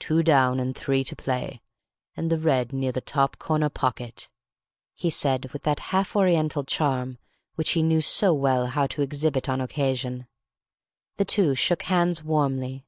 "Two down and three to play, and the red near the top corner pocket," he said with that half Oriental charm which he knew so well how to exhibit on occasion. The two shook hands warmly.